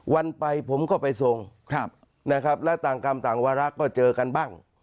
วันไปผมก็ไปทรงนะครับและต่างกรรมต่างวาระก็เจอกันบ้าง